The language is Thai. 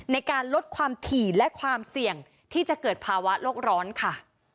ในการลดความถี่และความเสี่ยงที่จะเกิดภาวะโลกร้อนค่ะ